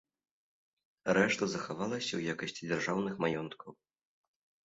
Рэшта захавалася ў якасці дзяржаўных маёнткаў.